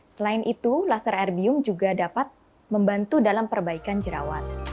selain itu laser erbium juga dapat membantu dalam perbaikan jerawat